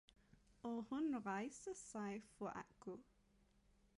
Og hun rejste sig for at gå